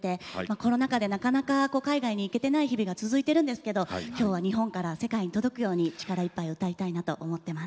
コロナ禍でなかなか海外に行けてない日々が続いてるんですけど今日は日本から世界に届くように力いっぱい歌いたいなと思ってます。